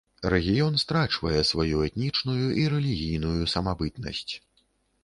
Рэгіён страчвае сваю этнічную і рэлігійную самабытнасць.